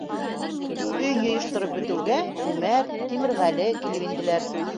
Өй йыйыштырып бөтөүгә, Үмәр, Тимерғәле килеп инделәр.